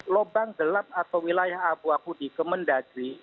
lobang gelap atau wilayah abu akhudi ke mendagri